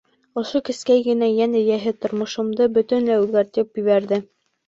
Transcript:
Ошо кескәй генә йән эйәһе тормошомдо бөтөнләй үҙгәртеп ебәрҙе.